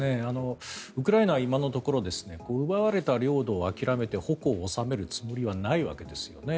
ウクライナは今のところ奪われた領土を諦めて矛を収めるつもりはないわけですよね。